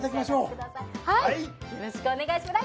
よろしくお願いします！